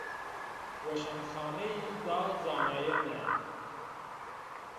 Weşanxaneyî da zanayene